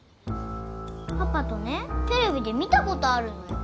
パパとねテレビで見たことあるのよ。